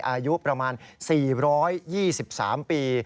อายุประมาณ๔๒๓ปี